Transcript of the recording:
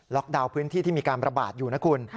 ดาวน์พื้นที่ที่มีการประบาดอยู่นะคุณ